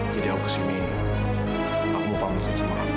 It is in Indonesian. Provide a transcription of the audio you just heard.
jadi aku kesini aku mau pamitin sama kamu